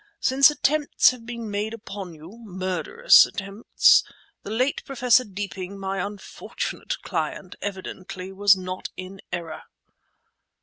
Since attempts have been made upon you, murderous attempts, the late Professor Deeping, my unfortunate client, evidently was not in error."